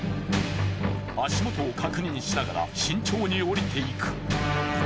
足元を確認しながら慎重に下りていく。